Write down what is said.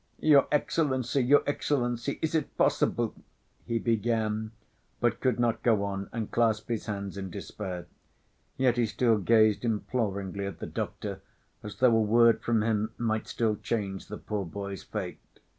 "Your Excellency, your Excellency ... is it possible?" he began, but could not go on and clasped his hands in despair. Yet he still gazed imploringly at the doctor, as though a word from him might still change the poor boy's fate.